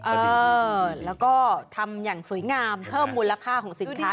เออแล้วก็ทำอย่างสวยงามเพิ่มมูลค่าของสินค้า